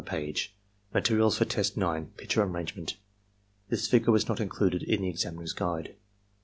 — Materials for test 9, picture arrangement. This figure was not included in the Examiner's Guide.